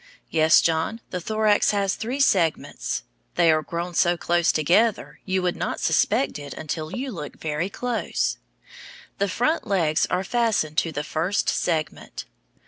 Yes, John, the thorax has three segments. They are grown so close together you would not suspect it until you looked very close. The front legs are fastened to the first segment.